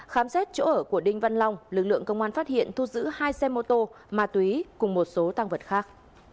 khám xét chỗ ở của đinh văn long lực lượng công an phát hiện thu giữ hai xe mô tô ma túy cùng một số tăng vật khác